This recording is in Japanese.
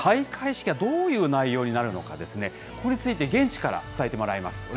まずは開会式はどういう内容になるのかですね、これについて現地から伝えてもらいます。